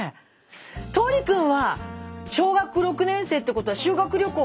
橙利君は小学６年生ってことは修学旅行